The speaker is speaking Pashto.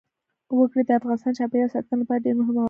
وګړي د افغانستان د چاپیریال ساتنې لپاره ډېر مهم او اړین دي.